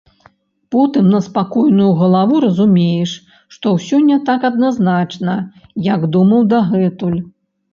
Потым на спакойную галаву разумееш, што ўсё не так адназначна, як думаў дагэтуль.